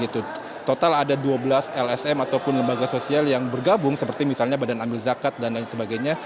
total ada dua belas lsm ataupun lembaga sosial yang bergabung seperti misalnya badan amil zakat dan lain sebagainya